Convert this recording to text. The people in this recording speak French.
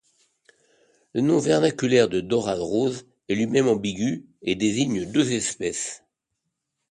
Le nom vernaculaire de dorade rose est lui-même ambigu et désigne deux espèces.